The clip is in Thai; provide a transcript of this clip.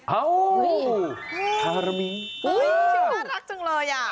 เอ้าชิคกี้พายรักจังเลยอ่ะ